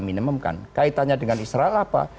minimumkan kaitannya dengan israel apa